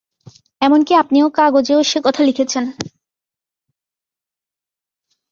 এমন-কি, আপনি কাগজেও সে কথা লিখেছেন।